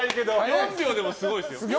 ４秒でもすごいですよ。